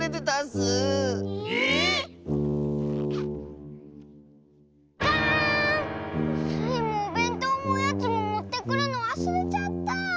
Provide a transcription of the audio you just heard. スイもおべんとうもおやつももってくるのわすれちゃった。